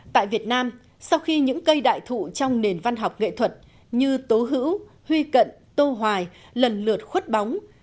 tại việt nam sau khi những cây đại thụ trong nền văn học nghệ thuật như tố hữu huy cận tô hoài lần lượt khuất bóng